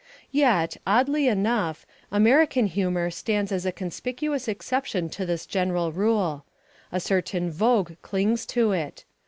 Yet, oddly enough, American humour stands as a conspicuous exception to this general rule. A certain vogue clings to it.